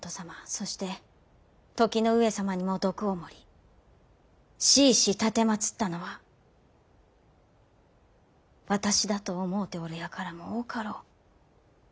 そして時の上様にも毒を盛り弑し奉ったのは私だと思うておる輩も多かろう。